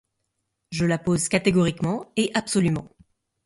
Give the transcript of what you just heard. Je la pose catégoriquement et absolument.